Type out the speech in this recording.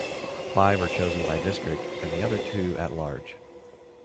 Five are chosen by district and the other two at-large.